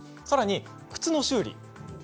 さらに、靴の修理。